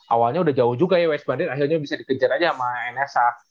awalnya udah jauh juga ya wetch bandar akhirnya bisa dikejar aja sama nsa